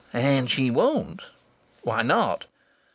And she won't!" "Why not?"